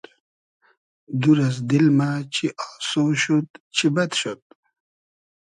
دور از دیل مۂ چی آسۉ شود چی بئد شود